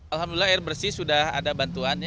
alhamdulillah air bersih sudah ada bantuan